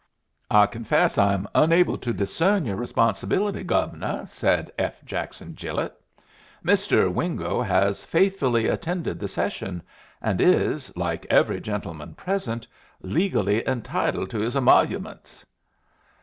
"I confess I am unable to discern your responsibility, Gove'nuh," said F. Jackson Gilet. "Mr. Wingo has faithfully attended the session, and is, like every gentleman present, legally entitled to his emoluments."